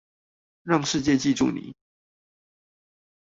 讓世界記住你